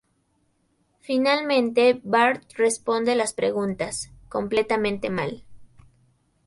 Finalmente Bart responde las preguntas, completamente mal.